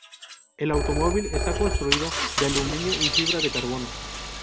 El automóvil está construido de aluminio y fibra de carbono.